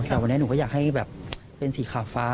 แต่วันนี้หนูก็อยากให้แบบเป็นสีขาวฟ้า